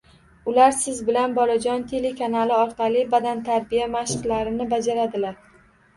Ular siz bilan «Bolajon» telekanali orqali badantarbiya mashqlarini bajaradilar